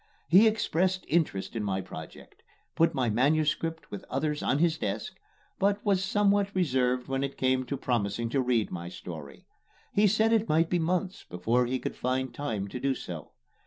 He expressed interest in my project; put my manuscript with others on his desk but was somewhat reserved when it came to promising to read my story. He said it might be months before he could find time to do so.